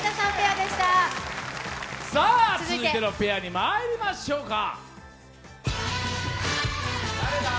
続いてのペアにまいりましょうか。